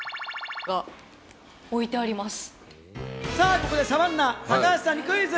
ここで、サバンナ・高橋さんにクイズ！